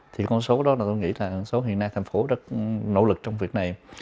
thì con số đó là tôi nghĩ là số hiện nay thành phố rất nỗ lực trong việc này